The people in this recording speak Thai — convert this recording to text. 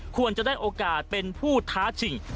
ควรจะได้โอกาสเป็นผู้ท้าชิง